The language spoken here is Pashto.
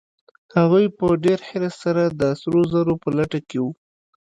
هغوی په ډېر حرص سره د سرو زرو په لټه کې وو.